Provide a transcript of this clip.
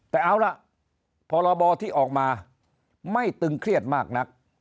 แต่เอาล่ะพรบที่ออกมาไม่ตึงเครียดมากนัก